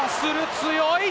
強い！